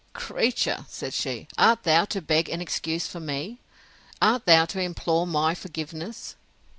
Creature, said she, art thou to beg an excuse for me?—Art thou to implore my forgiveness?